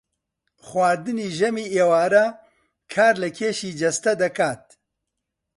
خواردنی ژەمی ئێوارە کار لە کێشی جەستە دەکات